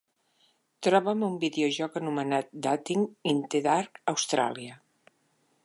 Troba'm un videojoc anomenat Dating in the Dark Australia.